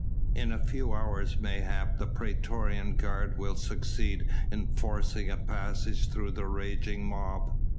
In a few hours mayhap the praetorian guard will succeed in forcing a passage through the raging mob